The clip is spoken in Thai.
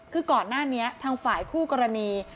คือก่อนหน้านี้ทางฝ่ายคู่กรณี